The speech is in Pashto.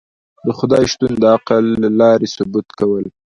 د خدای شتون د عقل له لاری ثبوت کول